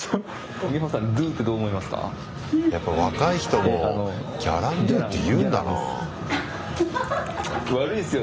やっぱり若い人も「ギャランドゥ」って言うんだな。